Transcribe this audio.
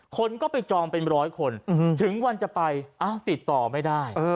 คนก็ไปจองเป็นร้อยคนถึงวันจะไปติดต่อไม่ได้